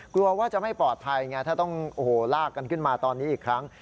กลัวว่าจะไม่ปลอดภัยไงถ้าต้องโอ้โหลากกันขึ้นมาตอนนี้อีกครั้ง